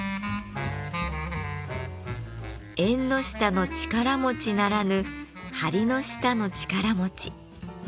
「縁の下の力持ち」ならぬ「はりの下の力持ち」。